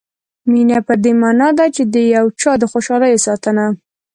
مینه په دې معنا ده چې د یو چا د خوشالیو ساتنه.